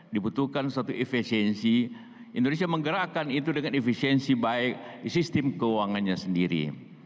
dibutuhkan suatu efisiensi indonesia menggerakkan itu dengan efisiensi baik di sistem keuangannya sendiri